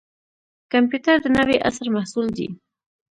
کمپیوټر د نوي عصر محصول دی